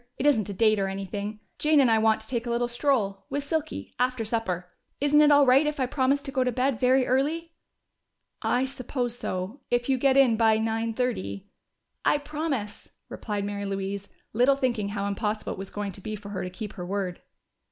It isn't a date or anything. Jane and I want to take a little stroll, with Silky, after supper. Isn't it all right if I promise to go to bed very early?" "I suppose so. If you get in by nine thirty " "I promise!" replied Mary Louise, little thinking how impossible it was going to be for her to keep her word.